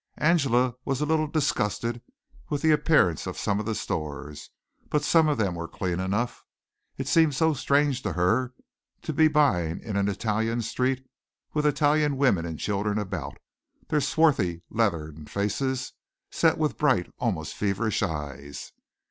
Angela was a little disgusted with the appearance of some of the stores, but some of them were clean enough. It seemed so strange to her to be buying in an Italian street, with Italian women and children about, their swarthy leathern faces set with bright, almost feverish eyes.